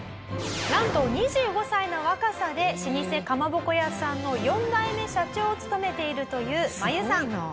なんと２５歳の若さで老舗かまぼこ屋さんの４代目社長を務めているというマユさん。